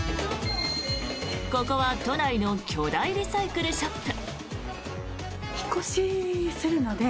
ここは都内の巨大リサイクルショップ。